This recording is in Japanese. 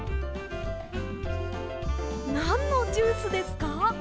なんのジュースですか？